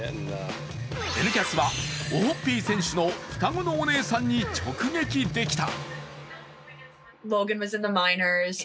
「Ｎキャス」はオホッピー選手の双子のお姉さんに直撃できた。